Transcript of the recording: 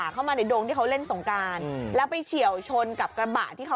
การตลาดชีวิตแพร่ประเทศ